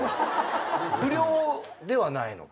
不良ではないのか。